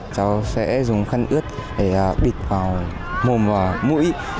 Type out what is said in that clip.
cháu sẽ dùng khăn ướt để bịt vào mồm và mũi